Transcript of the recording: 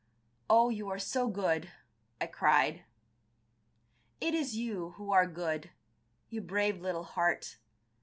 "Oh, you are so good," I cried. "It is you who are good. You brave little heart.